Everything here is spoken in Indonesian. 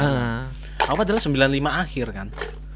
apa adalah sembilan puluh lima akhir kan